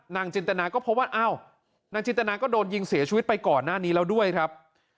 จินตนาก็พบว่าอ้าวนางจินตนาก็โดนยิงเสียชีวิตไปก่อนหน้านี้แล้วด้วยครับ